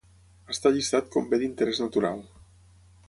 Està llistat com bé d'interès natural.